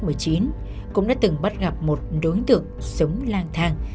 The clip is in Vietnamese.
công an cũng đã từng bắt gặp một đối tượng sống lang thang